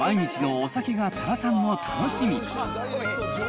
毎日のお酒が多良さんの楽しみ。